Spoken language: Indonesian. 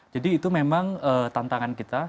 jadi itu memang tantangan kita